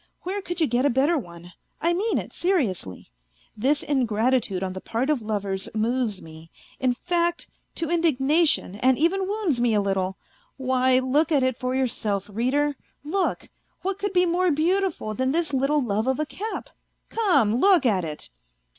Where could you get a better one ? I mean it seriously. This ingratitude on the part of lovers moves me, in fact, to indignation and even wounds me a little. Why, look at it for yourself, reader, look, what could be more beautiful than this little love of a cap ? Come, look at it.